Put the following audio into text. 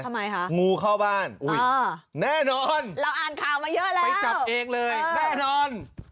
ทำไมคะงูเข้าบ้านแน่นอนเราอ่านข่าวมาเยอะแล้วไปจับเองเลยแน่นอน